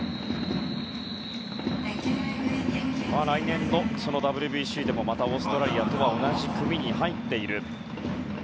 来年のＷＢＣでもまたオーストラリアとは同じ組に入っている。